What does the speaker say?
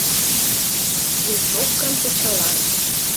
Винтовкан-пычалан.